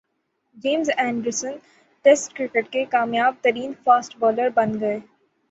James Anderson Test cricket کے کامیاب ترین فاسٹ بالر بن گئے